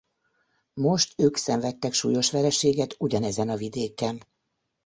Most ők szenvedtek súlyos vereséget ugyanezen a vidéken.